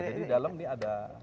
jadi di dalam ini ada